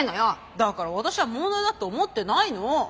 だから私は問題だって思ってないの。